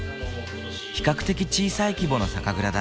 比較的小さい規模の酒蔵だ。